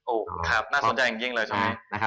โอ้โหครับน่าสนใจกันจริงเลยช่วงนี้